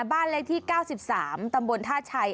บ้านเลขที่๙๓ตำบลท่าชัย